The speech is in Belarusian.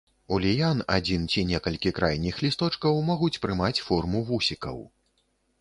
У ліян адзін ці некалькі крайніх лісточкаў могуць прымаць форму вусікаў.